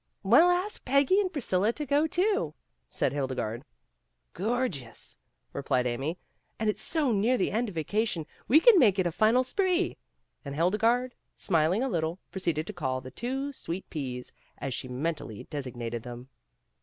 "We'll ask Peggy and Priscilla to go, too," said Hildegarde. "Gorgeous," replied Amy, "and it's so near the end of vacation we can make it a final spree"; and Hildegarde, smiling a little, proceeded to call the two Sweet P's as she mentally designated them.